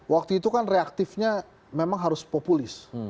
waktu itu kan reaktifnya memang harus populis